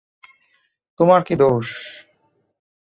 তোমার কি দোষ?